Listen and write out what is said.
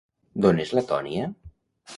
D'on és la Tònia?